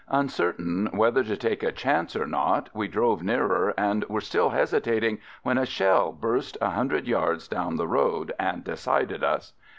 Uncertain whether to take a chance or not, we drove nearer and were still hesitating when a shell burst a hundred yards down the road, and de cided us!